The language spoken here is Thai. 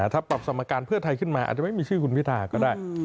ถ้าปรับสมการเพื่อไทยขึ้นมาอาจจะไม่มีชื่อคุณพิธาก็ได้